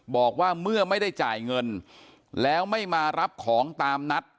บอกว่าเมื่อไม่ได้จ่ายเงินแล้วไม่มารับของตามนัด